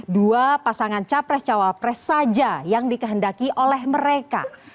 dua pasangan capres cawapres saja yang dikehendaki oleh mereka